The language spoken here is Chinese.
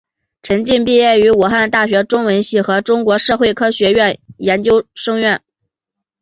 陈晋毕业于武汉大学中文系和中国社会科学院研究生院。